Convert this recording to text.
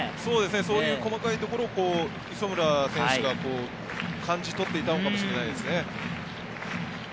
そういう細かいところを磯村選手が感じ取っていたかもしれませんね。